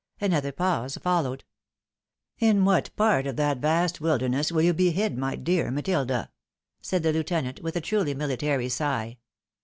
Another pause followed. " In what part of that vast wilderness will you be hid, my dear Miss Matilda ?" said the Lieutenant, with a truly miUtary sigh.